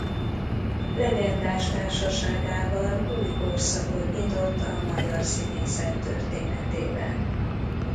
Legendás társaságával új korszakot nyitott a magyar színészet történetében.